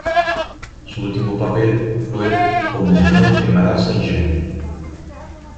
Su último papel fue como Junot en "Madame Sans-Gêne".